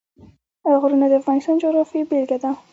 غرونه د افغانستان د جغرافیې بېلګه ده.